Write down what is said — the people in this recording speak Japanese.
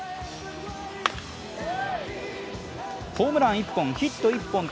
ホームラン１本、ヒット１本と